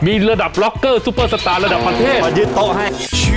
มีระดับล็อกเกอร์ซุปเปอร์สตาร์ระดับประเทศมายืดโต๊ะให้